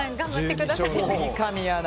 三上アナ。